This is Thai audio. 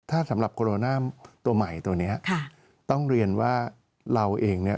ถ้าสำหรับโคโรนาตัวใหม่ตัวเนี้ยค่ะต้องเรียนว่าเราเองเนี่ย